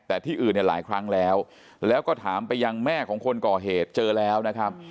แต่ที่อื่นเนี่ยหลายครั้งแล้วแล้วก็ถามไปยังแม่ของคนก่อเหตุเจอแล้วนะครับ